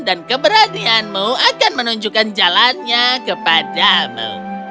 dan keberanianmu akan menunjukkan jalannya kepadamu